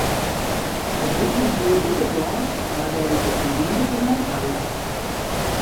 It úthingboerd liket gâns, mar dêr is 't ynwindige net nei.